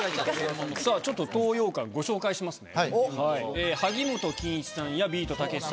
さぁちょっと東洋館ご紹介しますね。